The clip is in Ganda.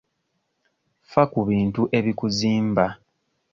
Ffa ku bintu ebikuzimba.